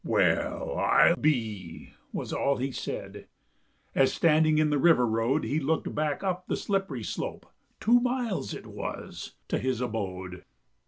"Well I be " that was all he said, As standing in the river road, He looked back up the slippery slope (Two miles it was) to his abode.